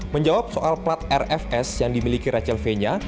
menjawab soal plat rfs yang dimiliki rachel fenya